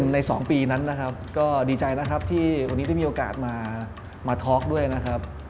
ใน๒ปีนั้นนะครับก็ดีใจนะครับที่วันนี้ได้มีโอกาสมาทอล์กด้วยนะครับ